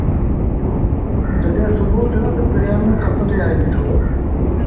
جڏهيݩٚ سُڀوٚ ٿيو تا پريم ڪپ تي آئي بيٚٺو۔